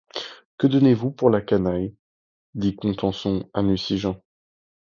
Que donnez-vous pour la canaille?... dit Contenson à Nucingen.